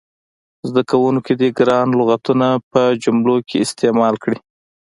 زده کوونکي دې ګران لغتونه په جملو کې استعمال کړي.